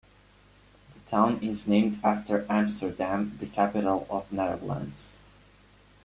The town is named after Amsterdam, the capital of the Netherlands.